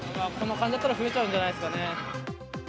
この感じだったら増えちゃうんじゃないですかね。